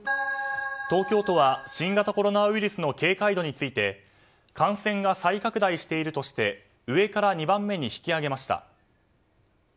東京都は新型コロナウイルスの警戒度について感染が再拡大しているとして上から２番目に引き上げました。